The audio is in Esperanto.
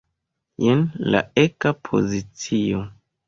Jen la eka pozicio.